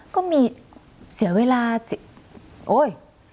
ก็มีเสียเวลาโอ๊ย